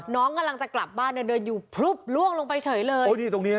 น้องกำลังจะกลับบ้านเดินอยู่ล่วงลงไปเฉยเลย